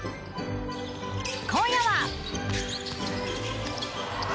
今夜は。